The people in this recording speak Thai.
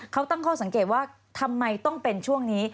เขาตั้งข้อสังเกตว่าทำไมต้องเป็นช่วงนี้